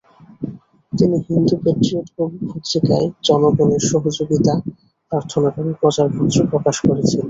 তিনি হিন্দু প্যাট্রিয়ট পত্রিকায় জনগণের সহযোগিতা প্রার্থনা করে প্রচারপত্র প্রকাশ করেছিলেন।